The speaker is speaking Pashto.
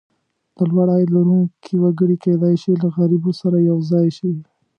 د لوړ عاید لرونکي وګړي کېدای شي له غریبو سره یو ځای شي.